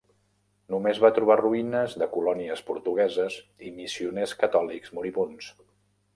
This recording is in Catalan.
Només va trobar ruïnes de colònies portugueses i missioners catòlics moribunds.